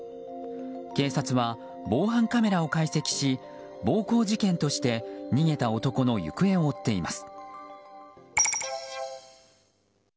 警察は防犯カメラを解析し暴行事件として逃げた男の行方を追っています。